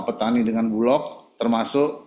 petani dengan bulog termasuk